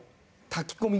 炊き込み？